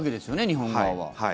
日本側は。